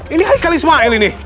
ini haikal ismail ini